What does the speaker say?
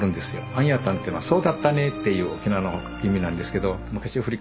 「あんやたん」っていうのはそうだったねという沖縄の意味なんですけど。